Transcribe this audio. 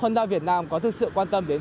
honda việt nam có thực sự quan tâm đến